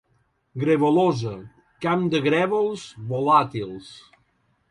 Grevolosa, camp de grèvols volàtils.